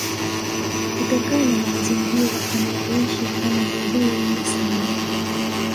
kutokana na mazingira anayoishi ana maadui wengi sana